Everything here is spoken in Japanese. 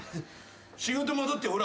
仕事戻ってほら。